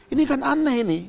ini kan aneh ini